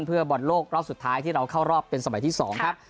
เพื่อบอลโลกรอบสุดท้ายที่เราเข้ารอบเป็นสมัยที่๒ครับ